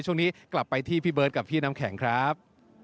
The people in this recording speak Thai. ช่วงนี้กลับไปที่พี่เบิร์ตกับพี่น้ำแข็งครับ